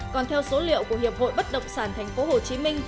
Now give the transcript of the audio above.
còn theo số liệu của hiệp hội bất động sản tp hcm